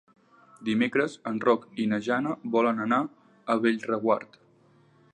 Dimecres en Roc i na Jana volen anar a Bellreguard.